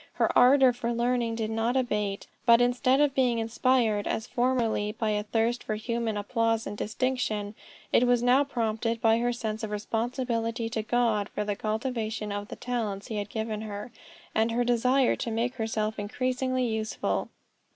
Her ardor for learning did not abate, but instead of being inspired, as formerly by a thirst for human applause and distinction, it was now prompted by her sense of responsibility to God for the cultivation of the talents he had given her, and her desire to make herself increasingly useful.